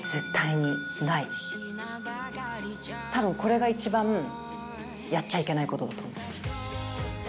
たぶんこれが一番やっちゃいけないことだと思う。